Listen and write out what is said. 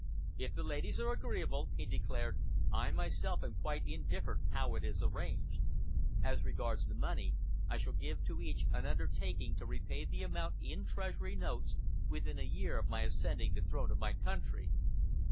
"If the ladies are agreeable," he declared, "I myself am quite indifferent how it is arranged. As regards the money, I shall give to each an undertaking to repay the amount in treasury notes within a year of my ascending the throne of my country."